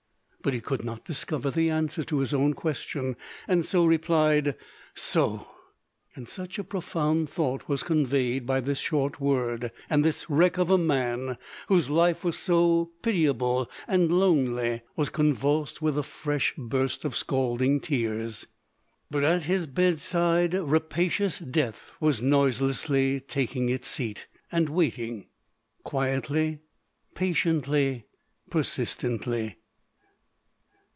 But he could not discover the answer to his own question, and so replied: "So!" And such a profound thought was conveyed by this short word, that this wreck of a man, whose life was so pitiable and lonely, was convulsed with a fresh burst of scalding tears. But at his bedside rapacious death was noiselessly taking its seat, and waiting—quietly, patiently, persistently.